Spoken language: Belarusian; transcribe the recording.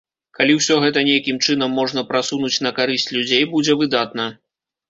Калі ўсё гэта нейкім чынам можна прасунуць на карысць людзей, будзе выдатна.